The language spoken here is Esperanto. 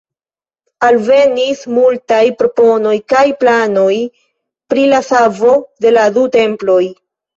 Alvenis multaj proponoj kaj planoj pri la savo de la du temploj.